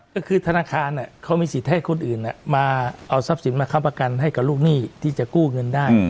ก็คือธนาคารเขามีสิทธิ์ให้คนอื่นมาเอาทรัพย์สินมาค้ำประกันให้กับลูกหนี้ที่จะกู้เงินได้